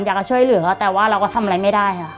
อยากจะช่วยเหลือแต่ว่าเราก็ทำอะไรไม่ได้ค่ะ